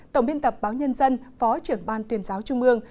tổng biên tập báo nhân dân phó trưởng ban tuyển giáo trung mương